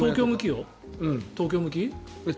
東京向き？